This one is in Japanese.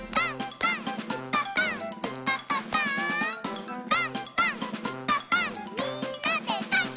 「パンパンんパパンみんなでパン！」